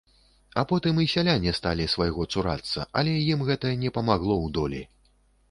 А потым і сяляне сталі свайго цурацца, але ім гэта не памагло ў долі.